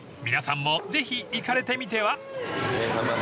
［皆さんもぜひ行かれてみては？］